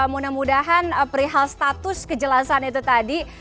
mudah mudahan perihal status kejelasan itu tadi